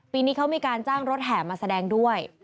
ปีนี้เขามีการจ้างรถแห่มาแสดงด้วย